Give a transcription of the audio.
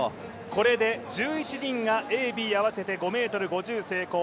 これで１１人がＡ、Ｂ合わせて５ｍ５０成功。